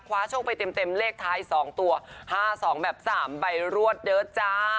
โชคไปเต็มเลขท้าย๒ตัว๕๒แบบ๓ใบรวดเด้อจ้า